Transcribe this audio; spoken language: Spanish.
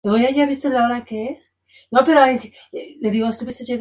Su sobrina, Maria de Guadalupe, le promovería famoso proceso.